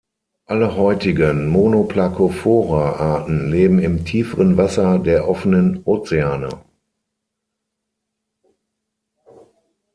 Alle heutigen Monoplacophora-Arten leben im tieferen Wasser der offenen Ozeane.